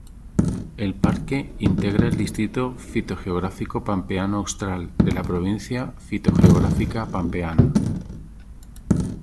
El parque integra el distrito fitogeográfico Pampeano Austral, de la provincia fitogeográfica Pampeana.